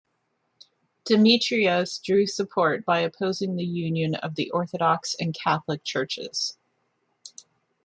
Demetrios drew support by opposing the union of the Orthodox and Catholic churches.